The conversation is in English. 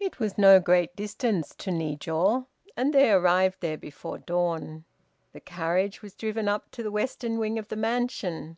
It was no great distance to Nijiô, and they arrived there before dawn. The carriage was driven up to the western wing of the mansion.